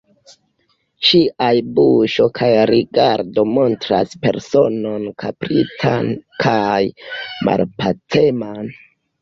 Ŝiaj buŝo kaj rigardo montras personon kaprican kaj malpaceman.